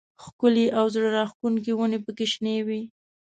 ښکلې او زړه راښکونکې ونې پکې شنې وې.